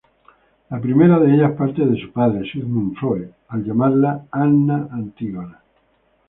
La primera de ellas parte de su padre, Sigmund Freud, al llamarla Anna Antígona.